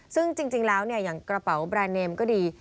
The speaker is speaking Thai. ซึ่งจริงแล้วอย่างกระเป๋าแบรนดเนมก็ดี